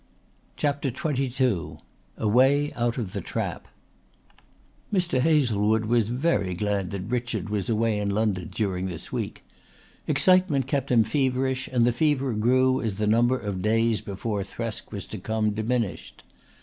CHAPTER XXII A WAY OUT OF THE TRAP Mr. Hazlewood was very glad that Richard was away in London during this week. Excitement kept him feverish and the fever grew as the number of days before Thresk was to come diminished.